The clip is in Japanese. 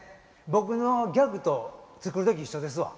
僕のギャグと作る時一緒ですわ。